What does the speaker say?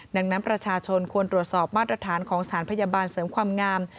ดังนั้นประชาชนควรตรวจสอบมาตรฐานของสถานพยาบาลเสริมความงาม